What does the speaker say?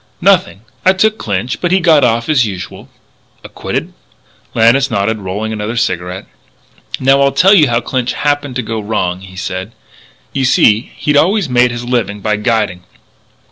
"Nothing. I took Clinch.... But he got off as usual." "Acquitted?" Lannis nodded, rolling another cigarette: "Now, I'll tell you how Clinch happened to go wrong," he said. "You see he'd always made his living by guiding.